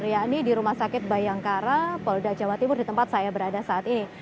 yakni di rumah sakit bayangkara polda jawa timur di tempat saya berada saat ini